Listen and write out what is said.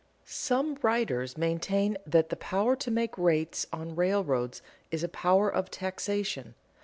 _ Some writers maintain that the power to make rates on railroads is a power of taxation.